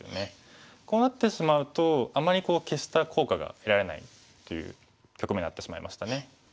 こうなってしまうとあまり消した効果が得られないという局面になってしまいましたね。